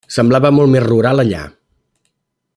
Semblava molt més rural allà.